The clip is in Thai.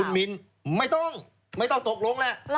คุณมินไม่ต้องไม่ต้องตกลงแหละ